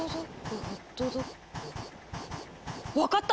分かった！